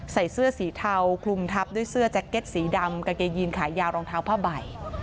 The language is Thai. ใส่เสื้อสีเทาคลุมทับด้วยเสื้อแจ็คเก็ตสีดำกางเกงยีนขายาวรองเท้าผ้าใบ